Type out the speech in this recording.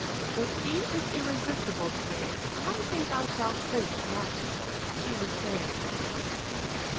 "If he is irresistible to day, I think I shall clinch matters," she was saying to herself.